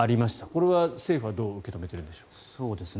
これは政府はどう受け止めているんでしょう。